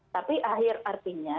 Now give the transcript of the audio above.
tapi akhir artinya